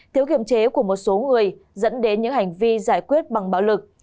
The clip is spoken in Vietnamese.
thiếu kiểm chế của một số người dẫn đến những hành vi giải quyết bằng bạo lực